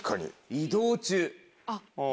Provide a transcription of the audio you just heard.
移動中。